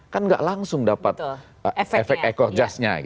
kan enggak langsung dapat efek ekorjasnya